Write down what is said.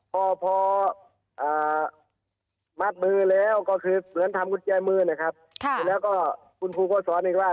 ก็พออ่ามัดมือแล้วก็เหมือนของวิธีการลงโทษมือว่า